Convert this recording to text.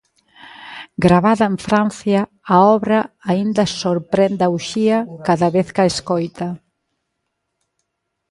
Gravada en Francia, a obra aínda sorprende a Uxía cada vez que a escoita.